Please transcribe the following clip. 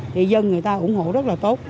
thì dân người ta ủng hộ rất là tốt